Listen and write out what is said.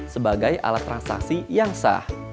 sebagai alat transaksi yang sah